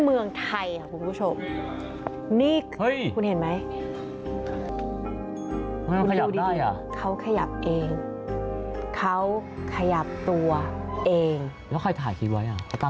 เดี๋ยวนี่เมืองไทยหรอ